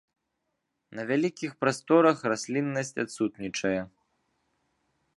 На вялікіх прасторах расліннасць адсутнічае.